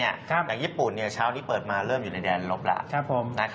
อย่างญี่ปุ่นเช้านี้เปิดมาเริ่มอยู่ในแดนลบแล้ว